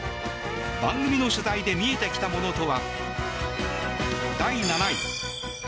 番組の取材で見えてきたものとは。